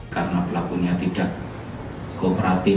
karena pelakunya tidak kooperatif